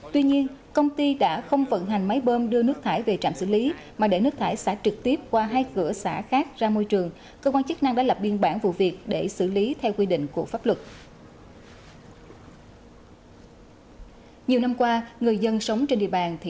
tuy nhiên công ty đã không vận hành máy bơm đưa nước thải về trạm xử lý mà để nước thải xả trực tiếp qua hai cửa xã khác ra môi trường cơ quan chức năng đã lập biên bản vụ việc để xử lý theo quy định của pháp luật